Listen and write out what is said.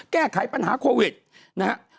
แก้ไขปัญหาโควิดนะฮะ